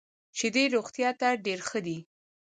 شیدې روغتیا ته ډېري ښه دي .